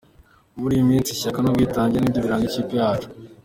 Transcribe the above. Muri iyi minsi ishyaka n’ubwitange nibyo biranga ikipe yacu.